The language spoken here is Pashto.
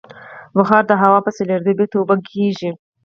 بخار د هوا په سړېدو بېرته اوبه کېږي.